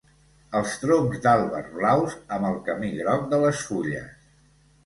Els troncs d'àlber blaus, amb el camí groc de les fulles.